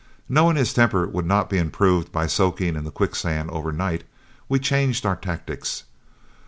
Knowing his temper would not be improved by soaking in the quicksand overnight, we changed our tactics.